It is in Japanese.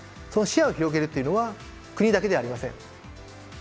視野を広げるっていうのは国だけではありません。